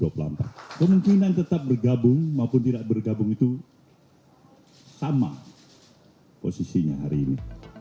kemungkinan tetap bergabung maupun tidak bergabung itu sama posisinya hari ini